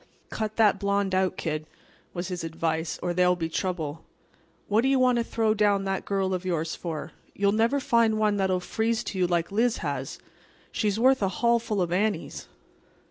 "Cut that blond out, 'Kid,'" was his advice, "or there'll be trouble. What do you want to throw down that girl of yours for? You'll never find one that'll freeze to you like Liz has. She's worth a hallful of Annies."